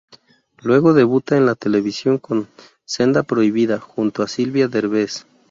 Luego debuta en la televisión con "Senda prohibida", junto a Silvia Derbez.